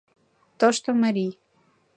ТОШТО МАРИЙ